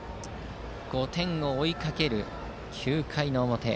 ５点を追いかける、９回の表。